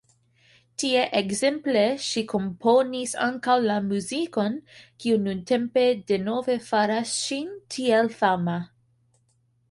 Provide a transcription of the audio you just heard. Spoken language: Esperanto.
Tie ekzemple ŝi komponis ankaŭ la muzikon, kiu nuntempe denove faras ŝin tiel fama.